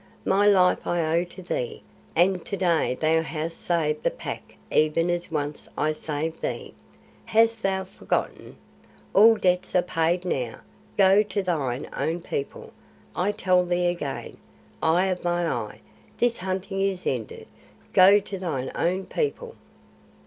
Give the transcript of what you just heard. My life I owe to thee, and to day thou hast saved the Pack even as once I saved thee. Hast thou forgotten? All debts are paid now. Go to thine own people. I tell thee again, eye of my eye, this hunting is ended. Go to thine own people."